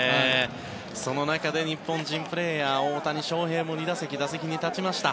その中で日本人プレーヤー、大谷翔平も２打席、打席に立ちました。